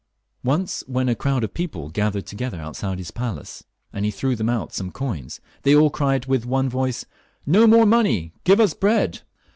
Once when a crowd of people gathered together outside his palace, and he threw them out some coins, they all cried with one voice, " No more money ; give us bread